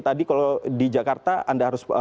tadi kalau di jakarta anda harus